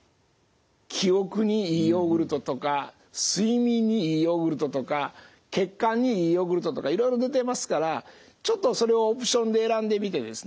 記憶にいいヨーグルトとか睡眠にいいヨーグルトとか血管にいいヨーグルトとかいろいろ出てますからちょっとそれをオプションで選んでみてですね